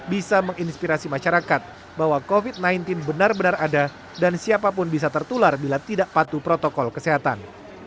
bisa menginspirasi masyarakat bahwa covid sembilan belas benar benar ada dan siapapun bisa tertular bila tidak patuh protokol kesehatan